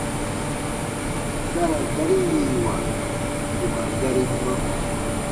Ba ra gari yiiwa bù ka gari ma.